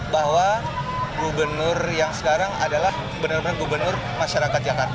bahwa gubernur yang sekarang adalah benar benar gubernur masyarakat jakarta